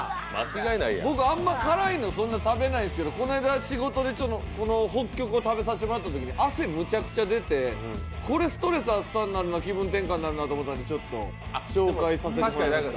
僕、あんま辛いのそんな食べないんですけど、この間、仕事で北極を食べさせてもらったときに汗がめちゃくちゃ出て、これ、ストレス発散になるな気分転換になるなと思ったので紹介させてもらいました。